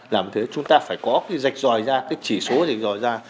làm như thế chúng ta phải có cái dạch dòi ra cái chỉ số dịch dòi ra